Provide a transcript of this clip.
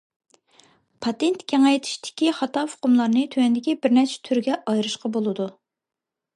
پاتېنت كېڭەيتىشتىكى خاتا ئۇقۇملارنى تۆۋەندىكى بىرنەچچە تۈرگە ئايرىشقا بولىدۇ.